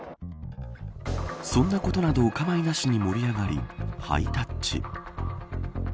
そんなことなどお構いなしに盛り上がりハイタッチ。